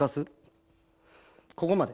ここまで。